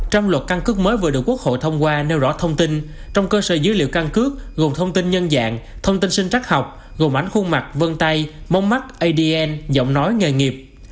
trong luật căn cước mới vừa được quốc hội thông qua nêu rõ thông tin trong cơ sở dữ liệu căn cước gồm thông tin nhân dạng thông tin sinh trách học gồm ảnh khuôn mặt vân tay mông mắt adn giọng nói nghề nghiệp